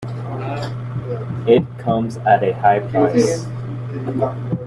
It comes at a high price.